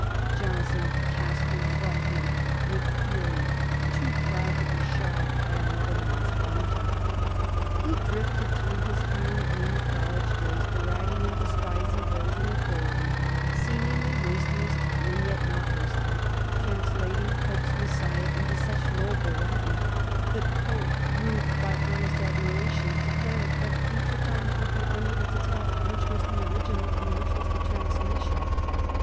Johnson cast them from him with fury, too proud to be shod by another man's bounty. He drifted through his few and gloomy college days deriding and despising those in authority; seemingly wasting his time and yet not wasting it; translating Pope's "Messiah" into such noble Latin that Pope, moved by honest admiration, declared that future times would be unable to tell which was the original and which was the translation.